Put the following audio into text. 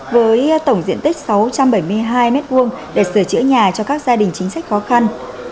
với tổng diện tích sáu trăm bảy mươi hai m hai để sửa chữa nhà cho các gia đình chính sách khó khăn